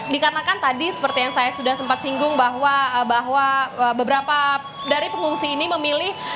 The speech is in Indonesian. dikarenakan tadi seperti yang saya sudah sempat singgung bahwa beberapa dari pengungsi ini memilih